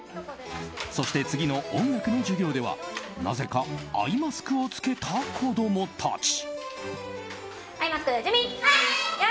そして、次の音楽の授業ではなぜかアイマスクを着けた子供たち。